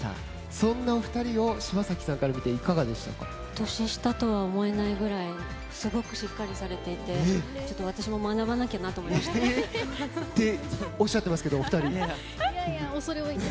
そんなお二人を柴咲さんから見て年下とは思えないくらいすごくしっかりされていて私も学ばなきゃなと思いました。っておっしゃっていますけどお二人。